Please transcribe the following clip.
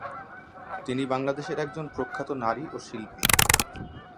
তিনি বাংলাদেশের একজন প্রখ্যাত নারী ও শিল্পী।